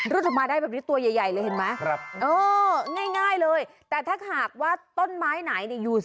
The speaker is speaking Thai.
รูดออกมาได้แบบนี้ตัวใหญ่เลยเห็นไหม